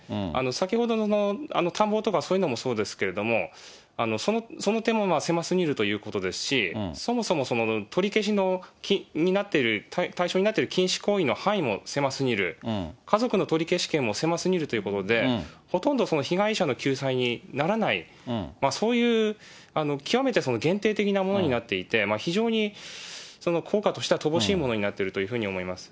先ほどの田んぼとかそういうのもそうですけれども、その点も狭すぎるということですし、そもそも取り消しになってる、対象になっている禁止行為の範囲も狭すぎる、家族の取消権も狭すぎるということで、ほとんど被害者の救済にならない、そういう極めて限定的なものになっていて、非常に効果としては乏しいものになっていると思います。